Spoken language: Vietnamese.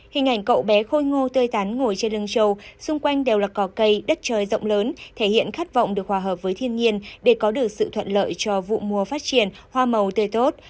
hình ảnh cậu bé khôi ngô tươi thắn ngồi trên lưng trầu xung quanh đều là cỏ cây đất trời rộng lớn thể hiện khát vọng được hòa hợp với thiên nhiên để có được sự thuận lợi cho vụ mùa phát triển hoa màu tươi tốt